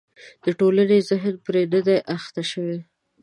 د ټولنې ذهن پرې نه دی اخته شوی.